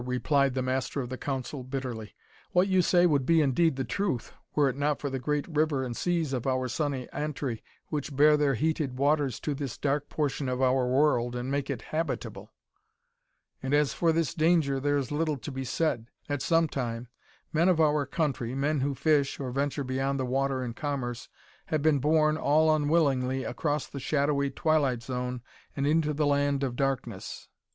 replied the Master of the Council, bitterly. "What you say would be indeed the truth, were it not for the great river and seas of our sunny Antri, which bear their heated waters to this dark portion of our world, and make it habitable. "And as for this danger, there is little to be said. At some time, men of our country, men who fish, or venture upon the water in commerce, have been borne, all unwillingly, across the shadowy twilight zone and into the land of darkness.